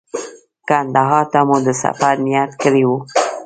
کندهار ته مو د سفر نیت کړی و.